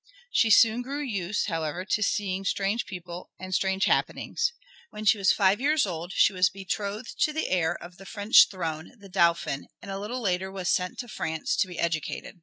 She soon grew used, however, to seeing strange people and strange happenings. When she was five years old she was betrothed to the heir of the French throne, the Dauphin, and a little later was sent to France to be educated.